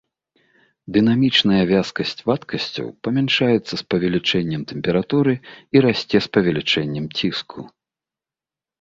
Дынамічная вязкасць вадкасцей памяншаецца з павелічэннем тэмпературы і расце з павелічэннем ціску.